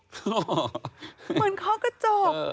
เหมือนคอกกระจก